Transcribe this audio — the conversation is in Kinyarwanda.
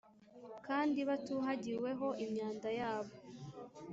Kandi batuhagiweho imyanda yabo